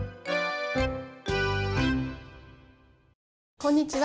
こんにちは。